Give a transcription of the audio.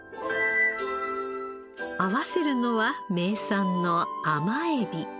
合わせるのは名産の甘海老。